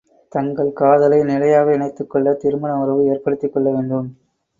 தங்கள் காதலை நிலையாக இணைத்துக் கொள்ளத் திருமண உறவு ஏற்படுத்திக் கொள்ள வேண்டும்!